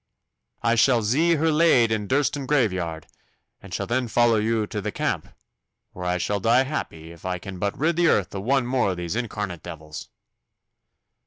I shall zee her laid in Durston graveyard, and shall then vollow you to t' camp, where I shall die happy if I can but rid the earth o' one more o' these incarnate devils.